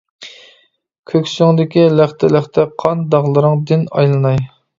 كۆكسۈڭدىكى لەختە-لەختە قان داغلىرىڭ دىن ئايلىناي.